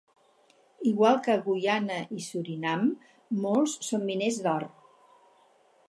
Igual que a Guyana i Surinam, molts són miners d'or.